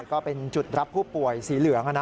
ก็เป็นจุดรับผู้ป่วยสีเหลือง